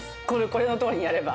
これのとおりにやれば。